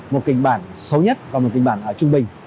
một kịch bản xấu nhất và một kịch bản ở trung bình